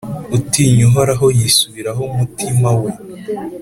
utinya Uhoraho yisubiraho mu mutima we.